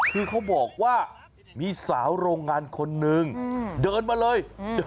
คือเขาบอกว่ามีสาวโรงงานคนนึงเดินมาเลย